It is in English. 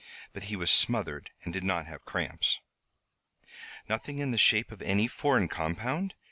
But he was smothered and did not have cramps." "Nothing in the shape of any foreign compound?